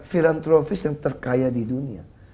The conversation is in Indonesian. filantrofis yang terkaya di dunia